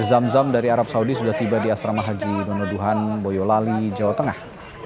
kebuahan paket air zam zam dari arab saudi sudah tiba di asrama haji nono duhan boyolali jawa tengah